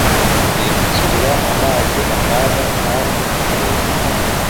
Hindukirira amazi akaga kandi akareba